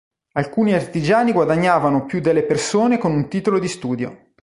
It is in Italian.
Alcuni artigiani guadagnavano più delle persone con un titolo di studio.